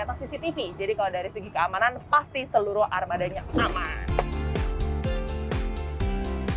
jadi kalau dari segi keamanan pasti seluruh armadanya aman